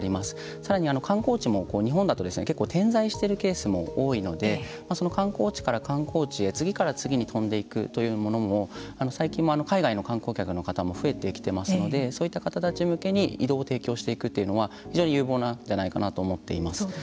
さらに観光地も日本だと結構点在しているケースも多いのでその観光地から観光地へ次から次に飛んでいくというものも最近も海外の観光客の方も増えてきていますのでそういった方たち向けに移動を提供していくというのは非常に有望なんじゃないかなと思っています。